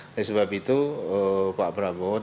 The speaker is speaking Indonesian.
oleh sebab itu pak prabowo